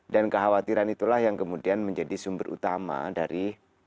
dan kekhawatiran itulah yang kemudian menjadi sumber utama dari